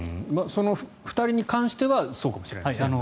その２人に関してはそうかもしれないですね。